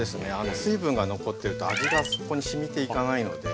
水分が残ってると味がそこにしみていかないので。